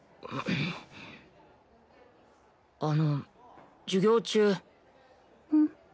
あの授業中。